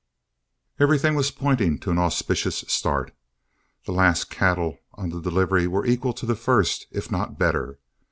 Everything was pointing to an auspicious start. The last cattle on the delivery were equal to the first, if not better.